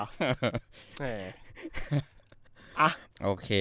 อ่ะโอเค